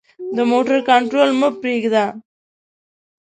د موټر کنټرول مه پریږده.